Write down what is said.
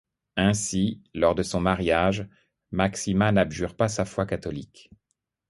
Ainsi, lors de son mariage, Máxima n’abjure pas sa foi catholique.